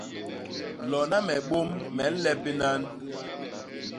Lona me bôm me nlep binan.